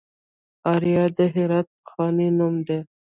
اریا د هرات پخوانی نوم و